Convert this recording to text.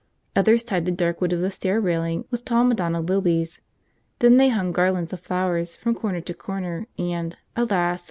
Others tied the dark wood of the stair railing with tall Madonna lilies; then they hung garlands of flowers from corner to corner and, alas!